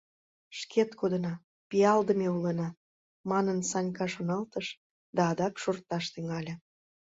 Шкет кодына, пиалдыме улына, манын Санька шоналтыш да адак шорташ тӱҥале.